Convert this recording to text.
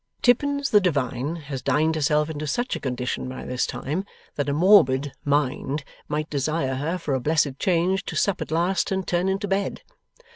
Tippins the divine has dined herself into such a condition by this time, that a morbid mind might desire her, for a blessed change, to sup at last, and turn into bed.